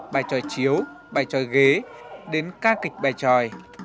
bài tròi chiếu bài tròi ghế đến ca kịch bài tròi